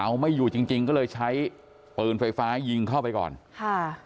เอาไม่อยู่จริงจริงก็เลยใช้ปืนไฟฟ้ายิงเข้าไปก่อนค่ะ